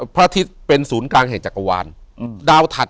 พระอาทิตย์เป็นศูนย์กลางแห่งจักรวาลดาวถัด